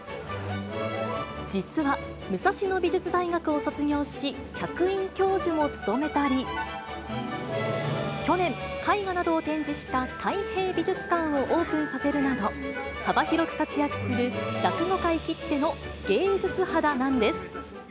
実は、武蔵野美術大学を卒業し、客員教授も務めたり、去年、絵画などを展示したたい平美術館をオープンさせるなど、幅広く活躍する落語界きっての芸術肌なんです。